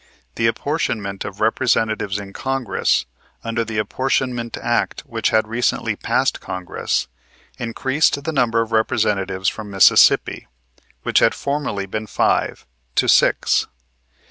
The apportionment of Representatives in Congress, under the Apportionment Act which had recently passed Congress, increased the number of Representatives from Mississippi, which had formerly been five, to six.